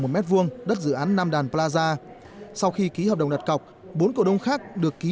một m hai đất dự án nam đàn plaza sau khi ký hợp đồng đặt cọc bốn cổ đông khác được ký